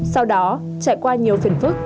sau đó trải qua nhiều phiền phức